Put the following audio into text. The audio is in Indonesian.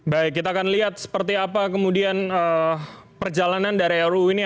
baik kita akan lihat seperti apa kemudian perjalanan dari ruu ini